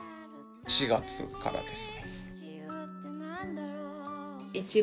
４月からですね。